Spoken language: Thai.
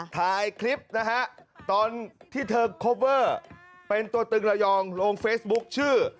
ถ่ายคลิปนะฮะตอนที่เธอโคเวอร์เป็นตัวตึงระยองลงเฟซบุ๊คชื่อ